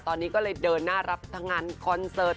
ตอนนี้ก็เลยเดินหน้ารับทั้งงานคอนเสิร์ต